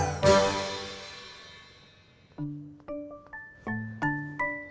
neng rika udah pulang